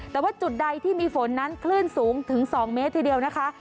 แต่ว่าจุดใดที่มีฝนนั้นคลื่นสูงถึง๒เมตรทีเดียวนะคะ